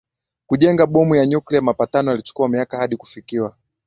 kujenga bomu ya nyuklia Mapatano yalichukua miaka hadi kufikiwa